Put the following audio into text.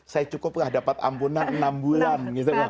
saya cukup lah dapat ampunan enam bulan